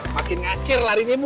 makin ngacir lari nyebu